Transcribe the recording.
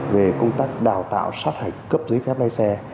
về công tác đào tạo sát hạch cấp giấy phép lái xe